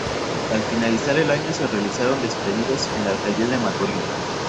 Al finalizar el año, se realizaron despedidos en la Alcaldía de Maturín.